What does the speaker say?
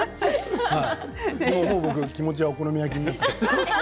もう僕、気持ちはお好み焼きになってるけど。